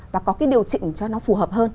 và có cái điều chỉnh cho nó phù hợp hơn